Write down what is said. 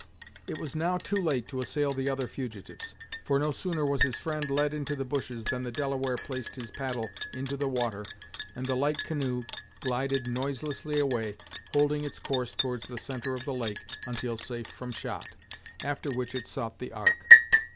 It was now too late to assail the other fugitives, for no sooner was his friend led into the bushes than the Delaware placed his paddle into the water, and the light canoe glided noiselessly away, holding its course towards the centre of the lake until safe from shot, after which it sought the Ark.